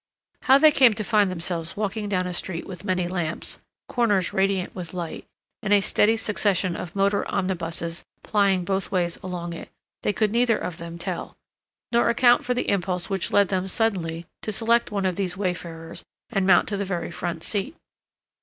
How they came to find themselves walking down a street with many lamps, corners radiant with light, and a steady succession of motor omnibuses plying both ways along it, they could neither of them tell; nor account for the impulse which led them suddenly to select one of these wayfarers and mount to the very front seat.